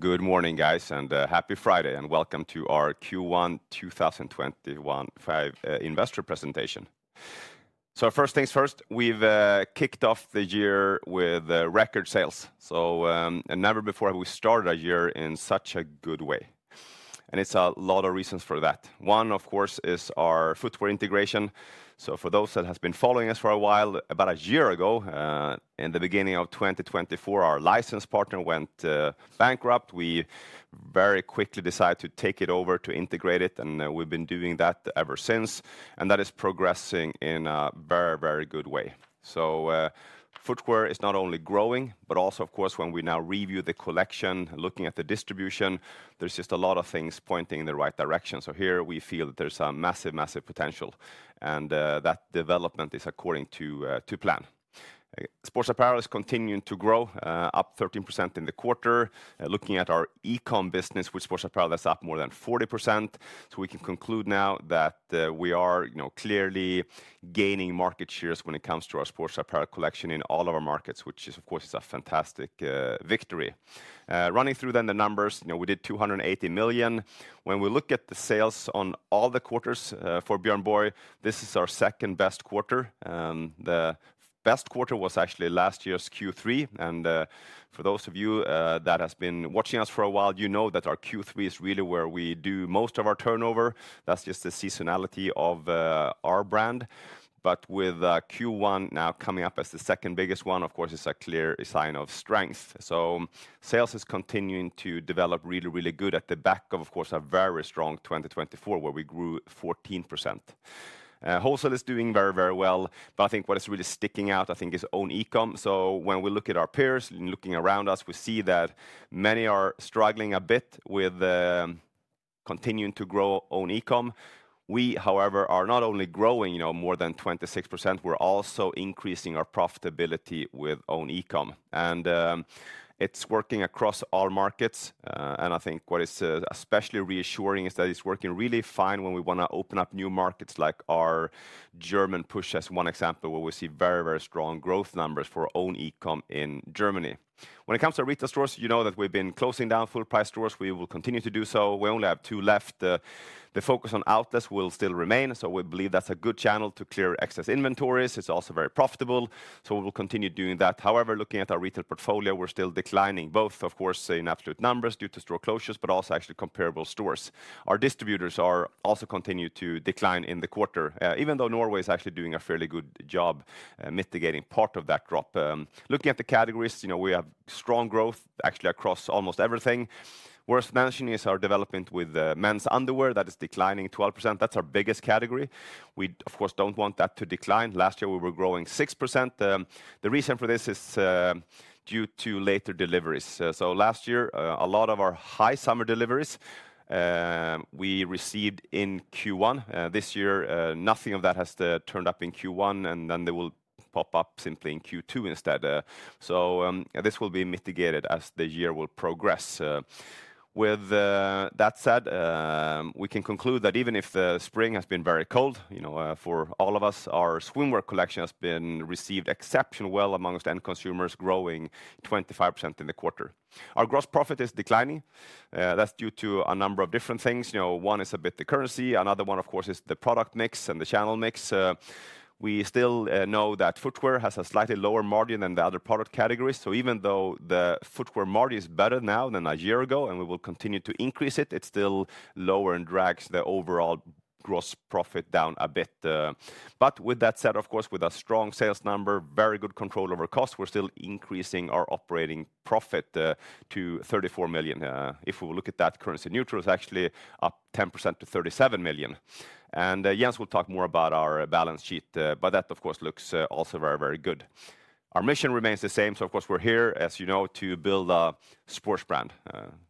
Good morning, guys, and happy Friday, and welcome to our Q1 2021 Investor Presentation. First things first, we've kicked off the year with record sales, so never before have we started a year in such a good way. It's a lot of reasons for that. One, of course, is our footwear integration. For those that have been following us for a while, about a year ago, in the beginning of 2024, our license partner went bankrupt. We very quickly decided to take it over, to integrate it, and we've been doing that ever since, and that is progressing in a very, very good way. Footwear is not only growing, but also, of course, when we now review the collection, looking at the distribution, there's just a lot of things pointing in the right direction. Here we feel there's a massive, massive potential, and that development is according to plan. Sports Apparel is continuing to grow, up 13% in the quarter. Looking at our e-com business with sports apparel, that's up more than 40%. We can conclude now that we are clearly gaining market shares when it comes to our sports apparel collection in all of our markets, which is, of course, a fantastic victory. Running through then the numbers, we did 280 million. When we look at the sales on all the quarters for Björn Borg, this is our second best quarter. The best quarter was actually last year's Q3, and for those of you that have been watching us for a while, you know that our Q3 is really where we do most of our turnover. That's just the seasonality of our brand. With Q1 now coming up as the second biggest one, of course, it's a clear sign of strength. Sales is continuing to develop really, really good at the back of, of course, a very strong 2024, where we grew 14%. Wholesale is doing very, very well. What is really sticking out, I think, is own e-com. When we look at our peers and looking around us, we see that many are struggling a bit with continuing to grow own e-com. We, however, are not only growing more than 26%, we're also increasing our profitability with own e-com, and it's working across all markets. What is especially reassuring is that it's working really fine when we want to open up new markets, like our German push, as one example, where we see very, very strong growth numbers for own e-com in Germany. When it comes to retail stores, you know that we've been closing down full-price stores. We will continue to do so. We only have two left. The focus on outlets will still remain, so we believe that's a good channel to clear excess inventories. It's also very profitable, so we will continue doing that. However, looking at our retail portfolio, we're still declining, both, of course, in absolute numbers due to store closures, but also actually comparable stores. Our distributors are also continuing to decline in the quarter, even though Norway is actually doing a fairly good job mitigating part of that drop. Looking at the categories, we have strong growth actually across almost everything. Worth mentioning is our development with men's underwear that is declining 12%. That's our biggest category. We, of course, don't want that to decline. Last year, we were growing 6%. The reason for this is due to later deliveries. Last year, a lot of our high summer deliveries we received in Q1. This year, nothing of that has turned up in Q1, and they will pop up simply in Q2 instead. This will be mitigated as the year will progress. With that said, we can conclude that even if spring has been very cold for all of us, our swimwear collection has been received exceptionally well amongst end consumers, growing 25% in the quarter. Our gross profit is declining. That's due to a number of different things. One is a bit the currency. Another one, of course, is the product mix and the channel mix. We still know that footwear has a slightly lower margin than the other product categories. Even though the footwear margin is better now than a year ago, and we will continue to increase it, it's still lower and drags the overall gross profit down a bit. With that said, of course, with a strong sales number, very good control over cost, we're still increasing our operating profit to 34 million. If we look at that currency neutral, it's actually up 10% to 37 million. Jens will talk more about our balance sheet, but that, of course, looks also very, very good. Our mission remains the same. Of course, we're here, as you know, to build a sports brand.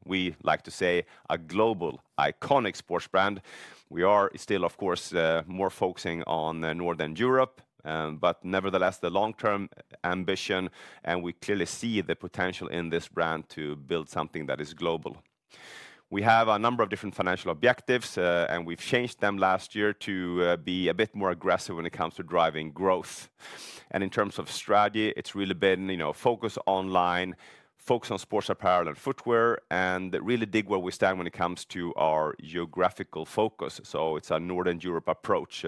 We like to say a global, iconic sports brand. We are still, of course, more focusing on Northern Europe, but nevertheless, the long-term ambition, and we clearly see the potential in this brand to build something that is global. We have a number of different financial objectives, and we have changed them last year to be a bit more aggressive when it comes to driving growth. In terms of strategy, it has really been focus online, focus on sports apparel and footwear, and really dig where we stand when it comes to our geographical focus. It is a Northern Europe approach.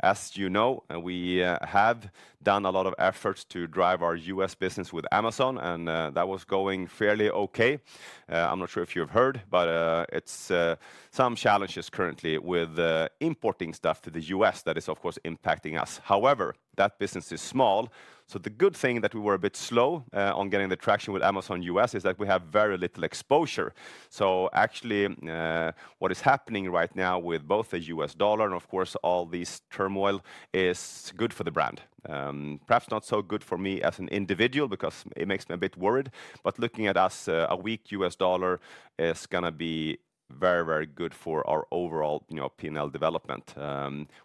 As you know, we have done a lot of efforts to drive our US business with Amazon, and that was going fairly okay. I am not sure if you have heard, but it is some challenges currently with importing stuff to the US that is, of course, impacting us. However, that business is small. The good thing that we were a bit slow on getting the traction with Amazon US is that we have very little exposure. Actually, what is happening right now with both the US dollar and, of course, all this turmoil is good for the brand. Perhaps not so good for me as an individual because it makes me a bit worried, but looking at us, a weak US dollar is going to be very, very good for our overall P&L development.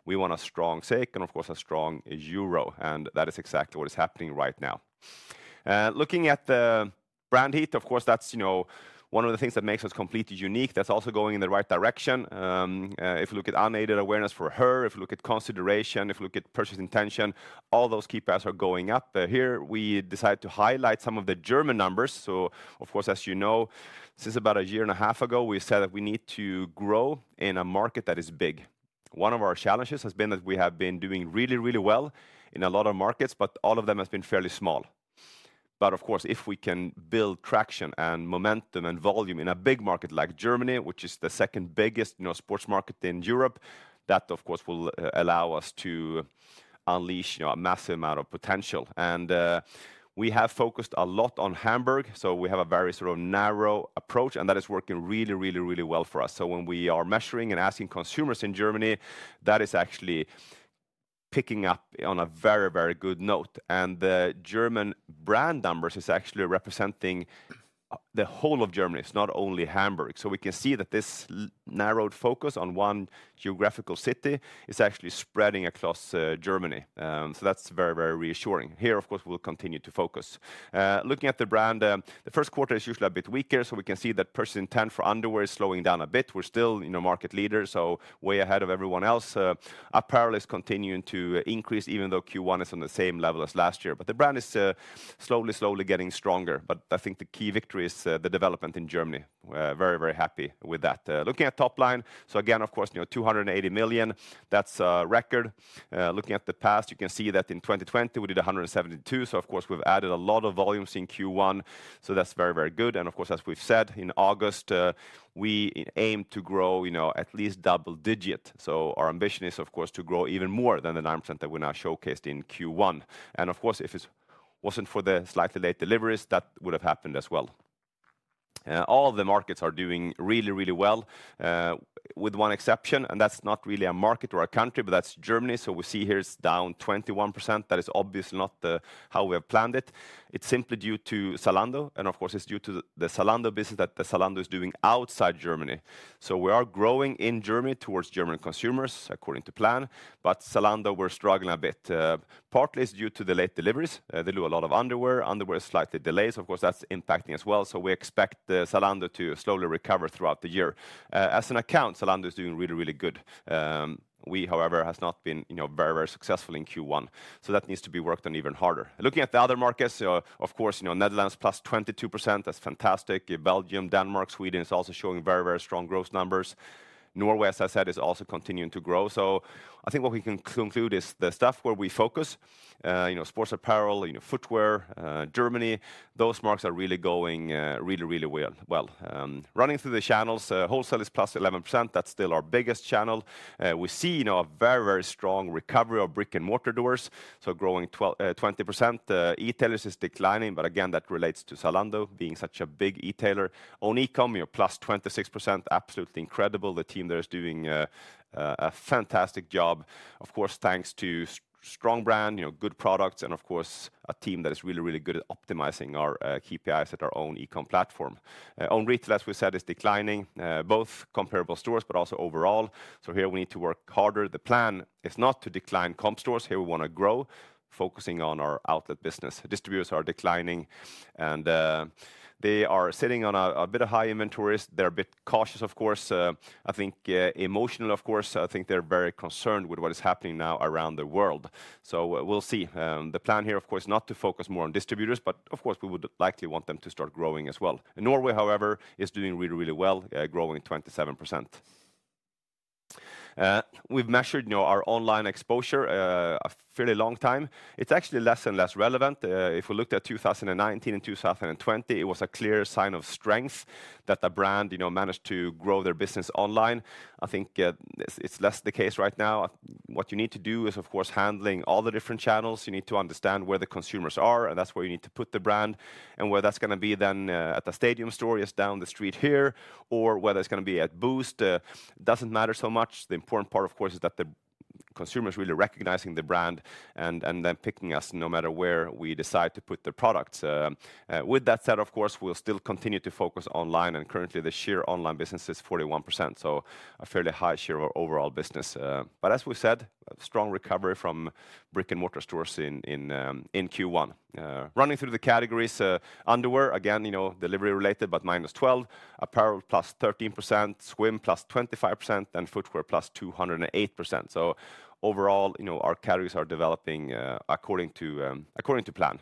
We want a strong SEK and, of course, a strong euro, and that is exactly what is happening right now. Looking at the brand heat, of course, that is one of the things that makes us completely unique. That is also going in the right direction. If you look at unaided awareness for her, if you look at consideration, if you look at purchase intention, all those key pairs are going up. Here we decided to highlight some of the German numbers. Of course, as you know, since about a year and a half ago, we said that we need to grow in a market that is big. One of our challenges has been that we have been doing really, really well in a lot of markets, but all of them have been fairly small. Of course, if we can build traction and momentum and volume in a big market like Germany, which is the second biggest sports market in Europe, that will allow us to unleash a massive amount of potential. We have focused a lot on Hamburg, so we have a very sort of narrow approach, and that is working really, really, really well for us. When we are measuring and asking consumers in Germany, that is actually picking up on a very, very good note. The German brand numbers are actually representing the whole of Germany, not only Hamburg. We can see that this narrowed focus on one geographical city is actually spreading across Germany. That is very, very reassuring. Here, of course, we will continue to focus. Looking at the brand, the first quarter is usually a bit weaker, so we can see that purchase intent for underwear is slowing down a bit. We are still market leaders, so way ahead of everyone else. Apparel is continuing to increase, even though Q1 is on the same level as last year, but the brand is slowly, slowly getting stronger. I think the key victory is the development in Germany. Very, very happy with that. Looking at top line, again, of course, 280 million, that is a record. Looking at the past, you can see that in 2020, we did 172, so of course, we've added a lot of volumes in Q1, so that's very, very good. Of course, as we've said, in August, we aim to grow at least double digit. Our ambition is, of course, to grow even more than the 9% that we now showcased in Q1. Of course, if it wasn't for the slightly late deliveries, that would have happened as well. All the markets are doing really, really well with one exception, and that's not really a market or a country, but that's Germany. We see here it's down 21%. That is obviously not how we have planned it. It's simply due to Zalando, and of course, it's due to the Zalando business that Zalando is doing outside Germany. We are growing in Germany towards German consumers, according to plan, but Zalando, we're struggling a bit. Partly it's due to the late deliveries. They do a lot of underwear. Underwear is slightly delayed. Of course, that's impacting as well. We expect Zalando to slowly recover throughout the year. As an account, Zalando is doing really, really good. We, however, have not been very, very successful in Q1, so that needs to be worked on even harder. Looking at the other markets, of course, Netherlands plus 22%, that's fantastic. Belgium, Denmark, Sweden is also showing very, very strong growth numbers. Norway, as I said, is also continuing to grow. I think what we can conclude is the stuff where we focus, sports apparel, footwear, Germany, those marks are really going really, really well. Running through the channels, wholesale is plus 11%. That's still our biggest channel. We see a very, very strong recovery of brick-and-mortar doors, so growing 20%. E-tailers is declining, but again, that relates to Zalando being such a big e-tailer. Own e-com plus 26%, absolutely incredible. The team there is doing a fantastic job, of course, thanks to strong brand, good products, and of course, a team that is really, really good at optimizing our key pairs at our own e-com platform. Own retail, as we said, is declining, both comparable stores, but also overall. Here we need to work harder. The plan is not to decline comp stores. Here we want to grow, focusing on our outlet business. Distributors are declining, and they are sitting on a bit of high inventories. They're a bit cautious, of course. I think emotionally, of course, I think they're very concerned with what is happening now around the world. We will see. The plan here, of course, is not to focus more on distributors, but of course, we would likely want them to start growing as well. Norway, however, is doing really, really well, growing 27%. We've measured our online exposure a fairly long time. It's actually less and less relevant. If we looked at 2019 and 2020, it was a clear sign of strength that the brand managed to grow their business online. I think it's less the case right now. What you need to do is, of course, handling all the different channels. You need to understand where the consumers are, and that's where you need to put the brand. Where that's going to be then at the Stadium store is down the street here, or whether it's going to be at Boost, doesn't matter so much. The important part, of course, is that the consumer is really recognizing the brand and then picking us no matter where we decide to put the products. With that said, of course, we'll still continue to focus online, and currently the share of online business is 41%, so a fairly high share of overall business. As we said, strong recovery from brick-and-mortar stores in Q1. Running through the categories, underwear, again, delivery related, but minus 12%. Apparel plus 13%, swim plus 25%, and footwear plus 208%. Overall, our categories are developing according to plan.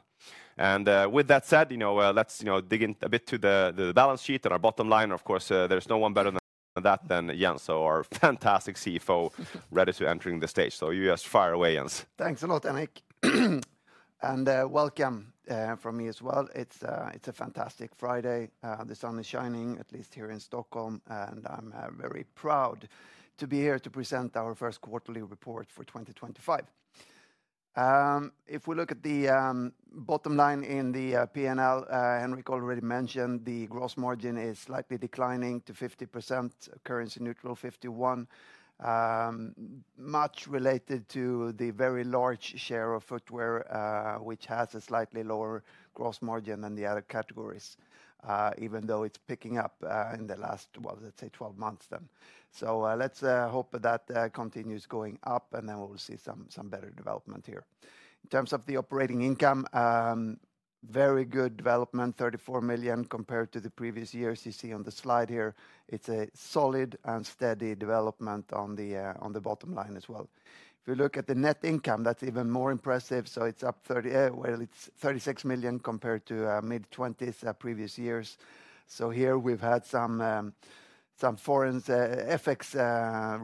With that said, let's dig in a bit to the balance sheet and our bottom line. Of course, there's no one better than that than Jens, so our fantastic CFO ready to enter in the stage. You just fire away, Jens. Thanks a lot, Henrik. And welcome from me as well. It's a fantastic Friday. The sun is shining, at least here in Stockholm, and I'm very proud to be here to present our first quarterly report for 2025. If we look at the bottom line in the P&L, Henrik already mentioned the gross margin is slightly declining to 50%, currency neutral 51%, much related to the very large share of footwear, which has a slightly lower gross margin than the other categories, even though it's picking up in the last, let's say 12 months then. Let's hope that continues going up, and then we'll see some better development here. In terms of the operating income, very good development, 34 million compared to the previous years. You see on the slide here, it's a solid and steady development on the bottom line as well. If we look at the net income, that's even more impressive. It is up, well, it is 36 million compared to mid-20's previous years. Here we have had some foreign effects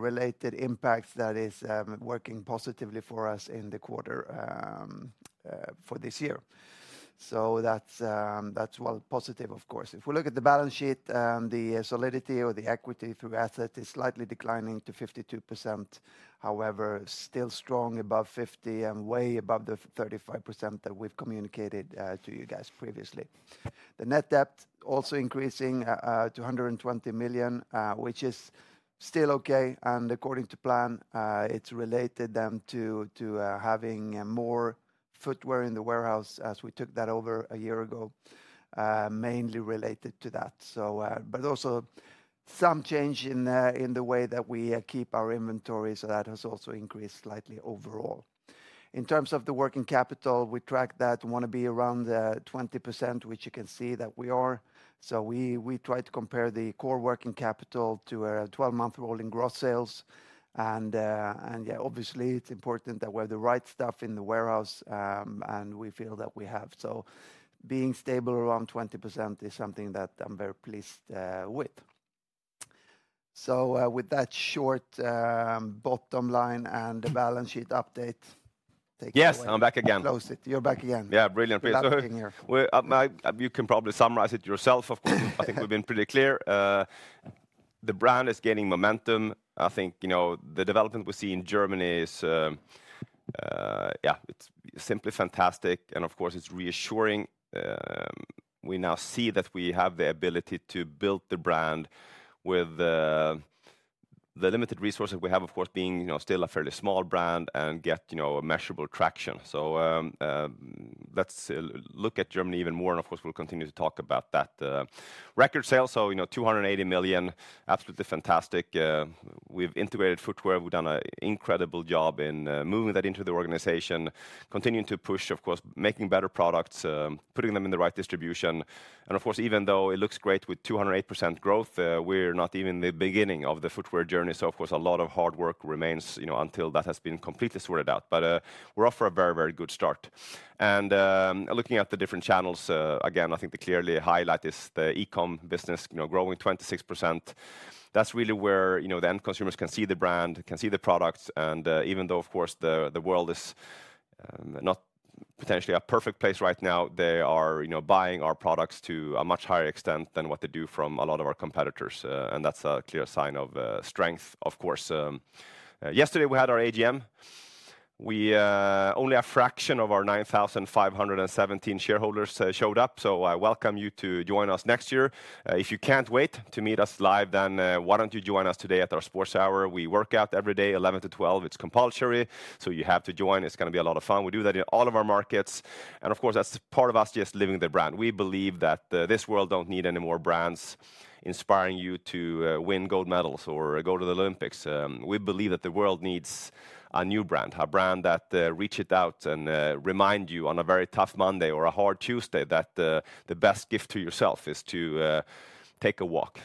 related impacts that are working positively for us in the quarter for this year. That is positive, of course. If we look at the balance sheet, the solidity or the equity through assets is slightly declining to 52%, however, still strong above 50% and way above the 35% that we have communicated to you guys previously. The net debt also increasing to 120 million, which is still okay. According to plan, it is related then to having more footwear in the warehouse as we took that over a year ago, mainly related to that. Also some change in the way that we keep our inventory, so that has also increased slightly overall. In terms of the working capital, we track that and want to be around 20%, which you can see that we are. We try to compare the core working capital to our 12-month rolling gross sales. Yeah, obviously, it is important that we have the right stuff in the warehouse and we feel that we have. Being stable around 20% is something that I am very pleased with. With that short bottom line and the balance sheet update, take care. Yes, I am back again. Close it. You are back again. Yeah, brilliant. You can probably summarize it yourself, of course. I think we have been pretty clear. The brand is gaining momentum. I think the development we see in Germany is, yeah, it is simply fantastic. Of course, it is reassuring. We now see that we have the ability to build the brand with the limited resources we have, of course, being still a fairly small brand and get a measurable traction. Let's look at Germany even more, and of course, we'll continue to talk about that. Record sales, so 280 million, absolutely fantastic. We've integrated footwear. We've done an incredible job in moving that into the organization, continuing to push, of course, making better products, putting them in the right distribution. Of course, even though it looks great with 208% growth, we're not even in the beginning of the footwear journey. A lot of hard work remains until that has been completely sorted out. We're off for a very, very good start. Looking at the different channels, again, I think the clearly highlight is the e-com business growing 26%. That's really where the end consumers can see the brand, can see the products. Even though, of course, the world is not potentially a perfect place right now, they are buying our products to a much higher extent than what they do from a lot of our competitors. That's a clear sign of strength, of course. Yesterday we had our AGM. We only have a fraction of our 9,517 shareholders showed up. I welcome you to join us next year. If you can't wait to meet us live, why don't you join us today at our sports hour? We work out every day 11:00 A.M. to 12:00 P.M. It's compulsory, so you have to join. It's going to be a lot of fun. We do that in all of our markets. Of course, that's part of us just living the brand. We believe that this world does not need any more brands inspiring you to win gold medals or go to the Olympics. We believe that the world needs a new brand, a brand that reaches out and reminds you on a very tough Monday or a hard Tuesday that the best gift to yourself is to take a walk,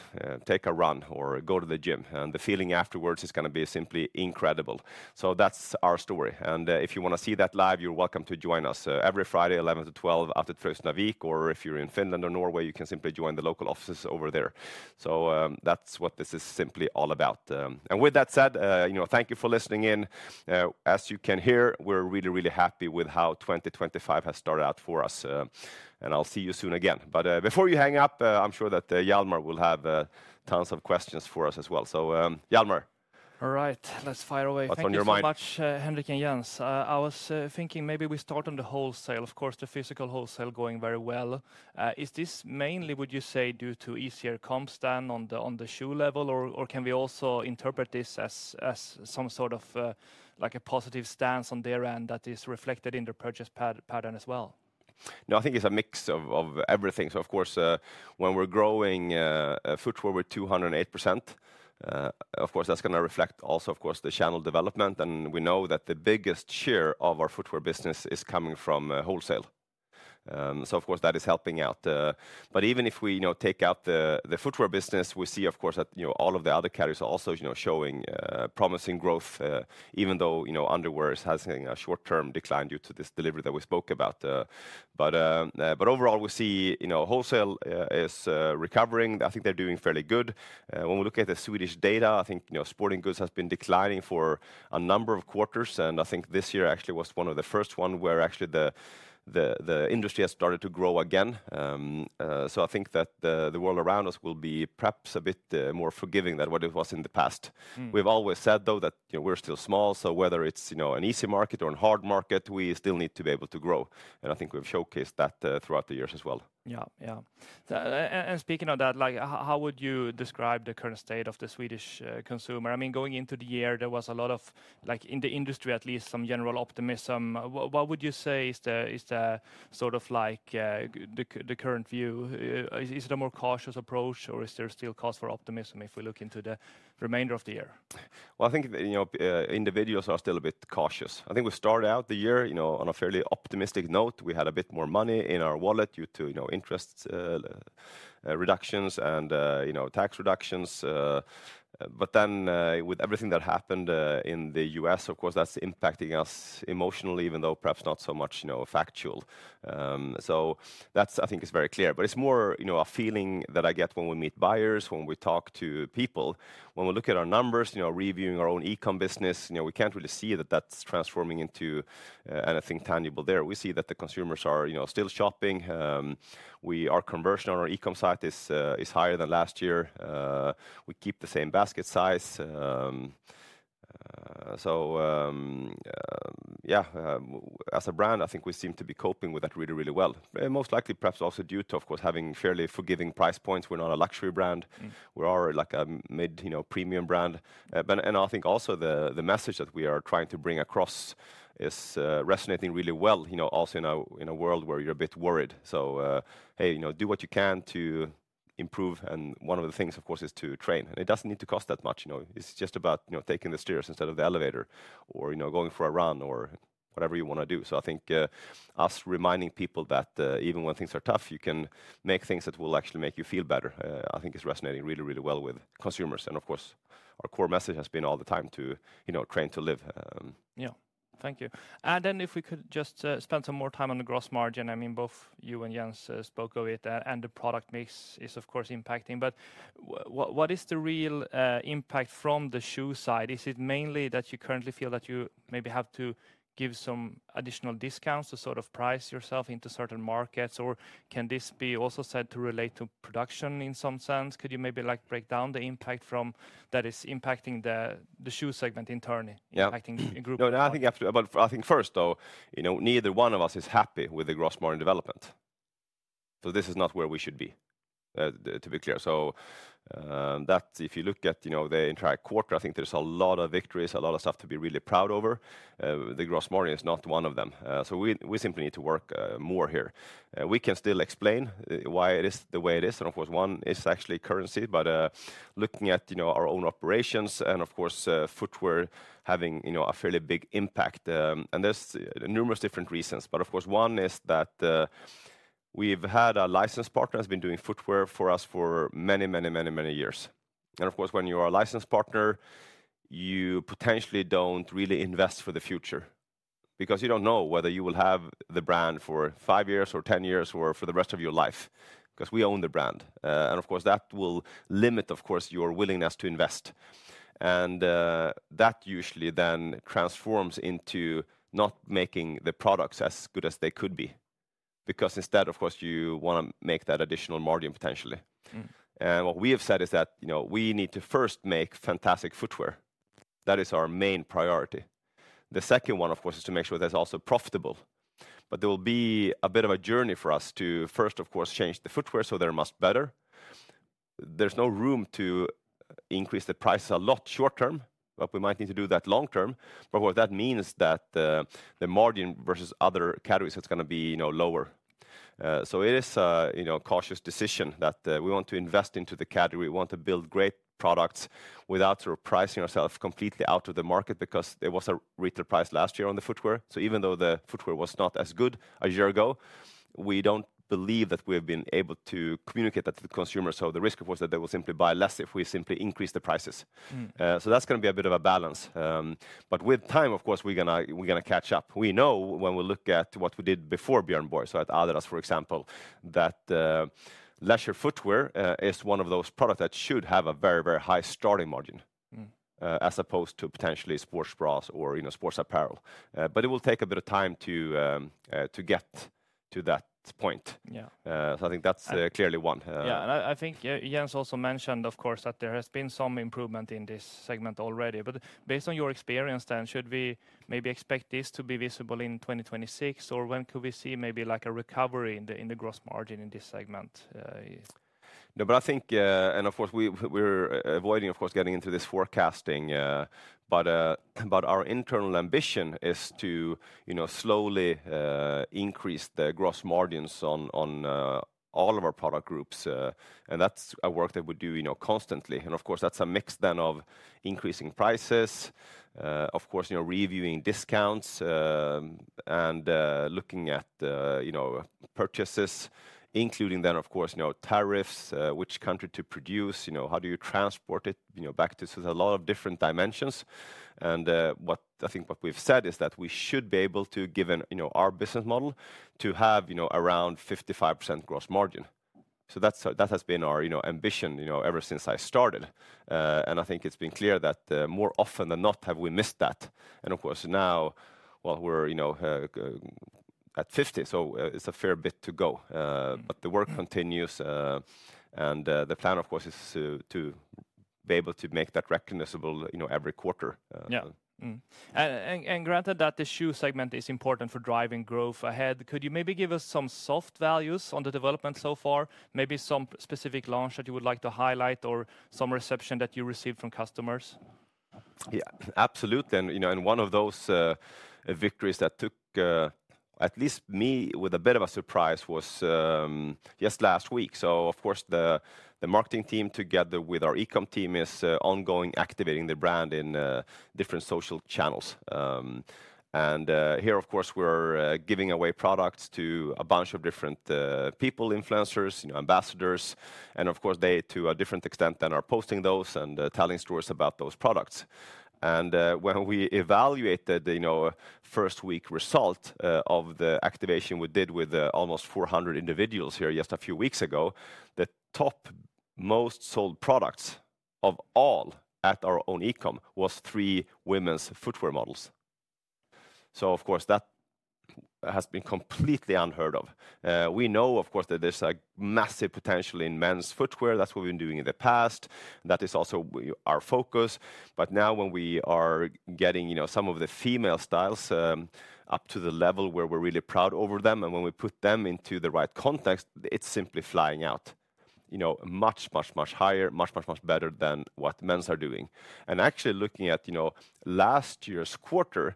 take a run, or go to the gym. The feeling afterwards is going to be simply incredible. That is our story. If you want to see that live, you are welcome to join us every Friday 11:00 A.M. to 12:00 P.M. after Trust Navik, or if you are in Finland or Norway, you can simply join the local offices over there. That is what this is simply all about. With that said, thank you for listening in. As you can hear, we are really, really happy with how 2025 has started out for us. I'll see you soon again. Before you hang up, I'm sure that Jelmer will have tons of questions for us as well. Jelmer, all right, let's fire away. Thank you so much, Henrik and Jens. I was thinking maybe we start on the wholesale, of course, the physical wholesale going very well. Is this mainly, would you say, due to easier comps than on the shoe level, or can we also interpret this as some sort of like a positive stance on their end that is reflected in their purchase pattern as well? No, I think it's a mix of everything. Of course, when we're growing footwear with 208%, that's going to reflect also, of course, the channel development. We know that the biggest share of our footwear business is coming from wholesale. That is helping out. Even if we take out the footwear business, we see, of course, that all of the other carriers are also showing promising growth, even though underwear is having a short-term decline due to this delivery that we spoke about. Overall, we see wholesale is recovering. I think they're doing fairly good. When we look at the Swedish data, I think sporting goods has been declining for a number of quarters. I think this year actually was one of the first ones where actually the industry has started to grow again. I think that the world around us will be perhaps a bit more forgiving than what it was in the past. We've always said, though, that we're still small. Whether it's an easy market or a hard market, we still need to be able to grow. I think we've showcased that throughout the years as well. Yeah, yeah. Speaking of that, how would you describe the current state of the Swedish consumer? I mean, going into the year, there was a lot of, like in the industry at least, some general optimism. What would you say is the sort of like the current view? Is it a more cautious approach, or is there still cause for optimism if we look into the remainder of the year? I think individuals are still a bit cautious. I think we started out the year on a fairly optimistic note. We had a bit more money in our wallet due to interest reductions and tax reductions. With everything that happened in the U.S., of course, that's impacting us emotionally, even though perhaps not so much factual. That, I think, is very clear. It is more a feeling that I get when we meet buyers, when we talk to people. When we look at our numbers, reviewing our own e-com business, we cannot really see that that is transforming into anything tangible there. We see that the consumers are still shopping. Our conversion on our e-com site is higher than last year. We keep the same basket size. Yeah, as a brand, I think we seem to be coping with that really, really well. Most likely perhaps also due to, of course, having fairly forgiving price points. We are not a luxury brand. We are more like a mid-premium brand. I think also the message that we are trying to bring across is resonating really well, also in a world where you are a bit worried. Hey, do what you can to improve. One of the things, of course, is to train. It does not need to cost that much. It is just about taking the stairs instead of the elevator or going for a run or whatever you want to do. I think us reminding people that even when things are tough, you can make things that will actually make you feel better, I think is resonating really, really well with consumers. Of course, our core message has been all the time to train to live. Yeah, thank you. If we could just spend some more time on the gross margin, I mean, both you and Jens spoke of it and the product mix is, of course, impacting. What is the real impact from the shoe side? Is it mainly that you currently feel that you maybe have to give some additional discounts to sort of price yourself into certain markets? Can this be also said to relate to production in some sense? Could you maybe break down the impact that is impacting the shoe segment internally? I think first, though, neither one of us is happy with the gross margin development. This is not where we should be, to be clear. If you look at the entire quarter, I think there is a lot of victories, a lot of stuff to be really proud of. The gross margin is not one of them. We simply need to work more here. We can still explain why it is the way it is. One is actually currency, but looking at our own operations and, of course, footwear having a fairly big impact. There are numerous different reasons. Of course, one is that we've had a licensed partner who has been doing footwear for us for many, many, many years. Of course, when you are a licensed partner, you potentially don't really invest for the future because you don't know whether you will have the brand for five years or ten years or for the rest of your life because we own the brand. Of course, that will limit your willingness to invest. That usually then transforms into not making the products as good as they could be because instead, you want to make that additional margin potentially. What we have said is that we need to first make fantastic footwear. That is our main priority. The second one is to make sure that's also profitable. There will be a bit of a journey for us to first, of course, change the footwear so they're much better. There is no room to increase the prices a lot short term, but we might need to do that long term. What that means is that the margin versus other categories, it's going to be lower. It is a cautious decision that we want to invest into the category. We want to build great products without sort of pricing ourselves completely out of the market because there was a retail price last year on the footwear. Even though the footwear was not as good a year ago, we do not believe that we have been able to communicate that to the consumers. The risk, of course, is that they will simply buy less if we simply increase the prices. That's going to be a bit of a balance. With time, of course, we're going to catch up. We know when we look at what we did before Björn Borg, at Adidas, for example, that leisure footwear is one of those products that should have a very, very high starting margin as opposed to potentially sports bras or sports apparel. It will take a bit of time to get to that point. I think that's clearly one. I think Jens also mentioned, of course, that there has been some improvement in this segment already. Based on your experience then, should we maybe expect this to be visible in 2026, or when could we see maybe like a recovery in the gross margin in this segment? No, I think, and of course, we're avoiding, of course, getting into this forecasting. Our internal ambition is to slowly increase the gross margins on all of our product groups. That is a work that we do constantly. Of course, that is a mix then of increasing prices, reviewing discounts, and looking at purchases, including tariffs, which country to produce, how do you transport it back to. There are a lot of different dimensions. I think what we have said is that we should be able to give our business model to have around 55% gross margin. That has been our ambition ever since I started. I think it has been clear that more often than not, have we missed that. Of course, now, we are at 50%, so it is a fair bit to go. The work continues. The plan, of course, is to be able to make that recognizable every quarter. Yeah. Granted that the shoe segment is important for driving growth ahead, could you maybe give us some soft values on the development so far, maybe some specific launch that you would like to highlight or some reception that you received from customers? Yeah, absolutely. One of those victories that took at least me with a bit of a surprise was just last week. Of course, the marketing team together with our e-com team is ongoing activating the brand in different social channels. Here, of course, we are giving away products to a bunch of different people, influencers, ambassadors. They, to a different extent, then are posting those and telling stories about those products. When we evaluated the first week result of the activation we did with almost 400 individuals here just a few weeks ago, the top most sold products of all at our own e-com was three women's footwear models. That has been completely unheard of. We know, of course, that there's a massive potential in men's footwear. That's what we've been doing in the past. That is also our focus. Now when we are getting some of the female styles up to the level where we're really proud over them, and when we put them into the right context, it's simply flying out much, much, much higher, much, much, much better than what men's are doing. Actually, looking at last year's quarter,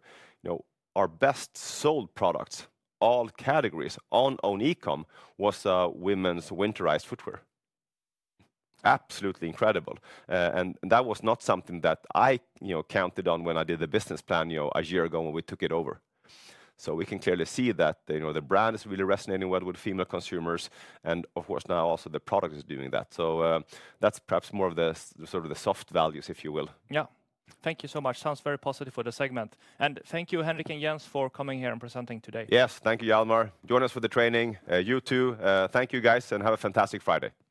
our best sold products, all categories on own e-com was women's winterized footwear. Absolutely incredible. That was not something that I counted on when I did the business plan a year ago when we took it over. We can clearly see that the brand is really resonating well with female consumers. Of course, now also the product is doing that. That is perhaps more of the sort of the soft values, if you will. Yeah. Thank you so much. Sounds very positive for the segment. Thank you, Henrik and Jens, for coming here and presenting today. Yes, thank you, Jelmer. Join us for the training. You too. Thank you, guys, and have a fantastic Friday.